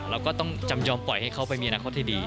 เราก็ต้องจำยอมปล่อยให้เขาไปมีอนาคตที่ดี